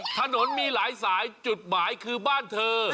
ถนนมีหลายสายจุดหมายคือบ้านเธอ